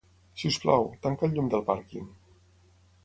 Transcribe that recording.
Si us plau, tanca el llum del pàrquing.